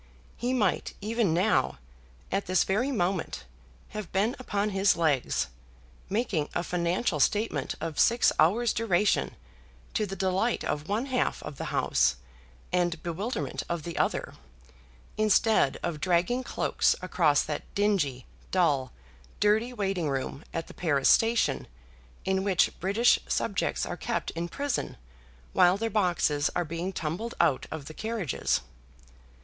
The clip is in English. He might even now, at this very moment, have been upon his legs, making a financial statement of six hours' duration, to the delight of one half of the House, and bewilderment of the other, instead of dragging cloaks across that dingy, dull, dirty waiting room at the Paris Station, in which British subjects are kept in prison while their boxes are being tumbled out of the carriages.